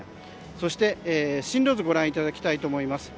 そして、進路図をご覧いただきたいと思います。